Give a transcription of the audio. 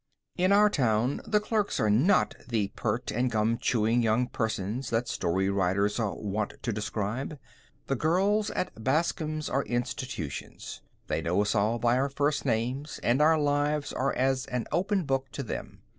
In our town the clerks are not the pert and gum chewing young persons that story writers are wont to describe. The girls at Bascom's are institutions. They know us all by our first names, and our lives are as an open book to them.